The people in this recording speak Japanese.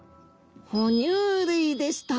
哺乳類でした。